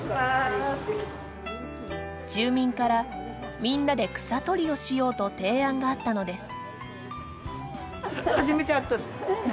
住民から、みんなで草取りをしようと提案があったのです。